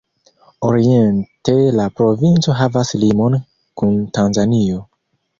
Oriente la provinco havas limon kun Tanzanio.